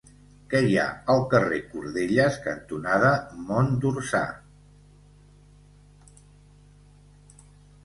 Què hi ha al carrer Cordelles cantonada Mont d'Orsà?